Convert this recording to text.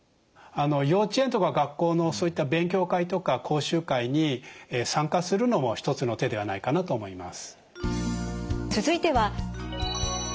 幼稚園とか学校のそういった勉強会とか講習会に参加するのも一つの手ではないかなと思います。